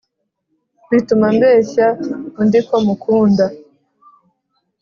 Bituma mbeshya undi ko mukunda